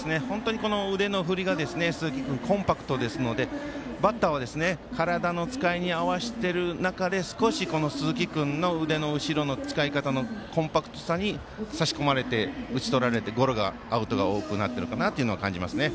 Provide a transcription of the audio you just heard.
腕の振りが鈴木君コンパクトですので、バッターは体の使いに合わせてる中で少し鈴木君の腕の後ろの使い方のコンパクトさに差し込まれて打ち取られてゴロアウトが多くなってるかなと感じますね。